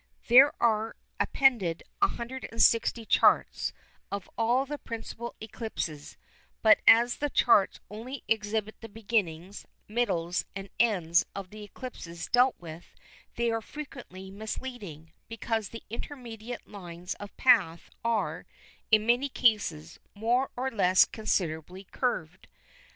There are appended 160 charts, of all the principal eclipses; but as the charts only exhibit the beginnings, middles, and ends of the eclipses dealt with, they are frequently misleading, because the intermediate lines of path are, in many cases, more or less considerably curved.